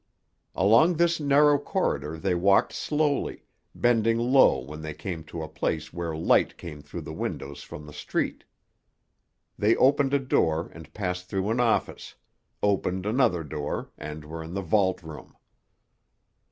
Along this narrow corridor they walked slowly, bending low when they came to a place where light came through the windows from the street. They opened a door and passed through an office, opened another door, and were in the vault room.